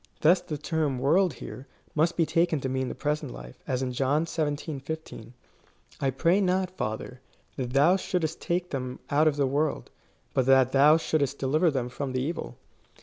Thus the term world here, must be taken to mean the present life, as in John xvii. 15. I pray not, Father, that thou shouldest take them out of the world, but that thou shouldest deliver them from the evil.